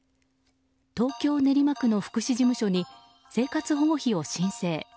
東京・練馬区の福祉事務所に生活保護費を申請。